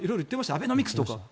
アベノミクスとか。